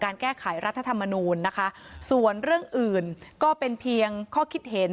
แก้ไขรัฐธรรมนูลนะคะส่วนเรื่องอื่นก็เป็นเพียงข้อคิดเห็น